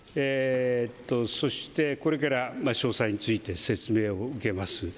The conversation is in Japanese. そしてこれから詳細について説明を受けます。